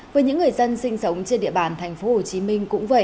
với những người dân sinh sống trên địa bàn tp hcm cũng vậy